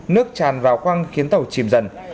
nước tràn vào quăng khiến tàu chìm dần